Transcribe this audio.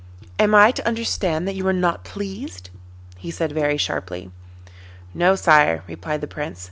'Am I to understand that you are not pleased?' he said very sharply. 'No, sire,' replied the Prince.